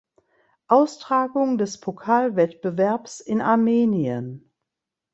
Austragung des Pokalwettbewerbs in Armenien.